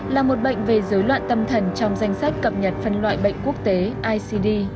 là một bệnh về dối loạn tâm thần trong danh sách cập nhật phân loại bệnh quốc tế icd